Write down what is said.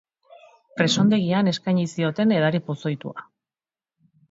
Presondegian eskaini zioten edari pozoitua.